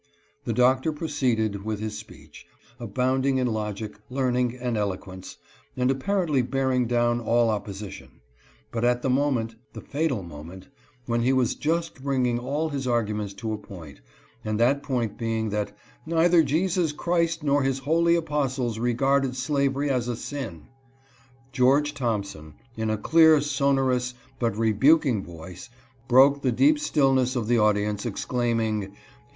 The Doctor proceeded with his speech — abounding in logic, learning, and eloquence, and apparently bearing down all opposition ; but at the moment — the fatal mo ment— when he was just bringing all his arguments to a point, and that point being that " neither Jesus Christ nor his holy apostles regarded slaveholding as a sin," George Thompson, in a clear, sonorous, but rebuking voice, broke the deep stillness of the audience, exclaim ing, "Hear!